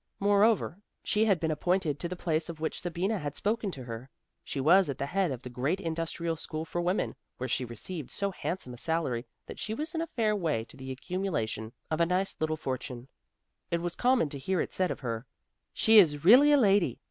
Moreover, she had been appointed to the place of which Sabina had spoken to her. She was at the head of the great Industrial School for women, where she received so handsome a salary, that she was in a fair way to the accumulation of a nice little fortune. It was common to hear it said of her, "She is really a lady!